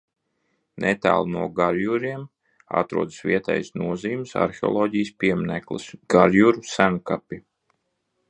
Netālu no Garjuriem atrodas vietējas nozīmes arheoloģijas piemineklis Garjuru senkapi.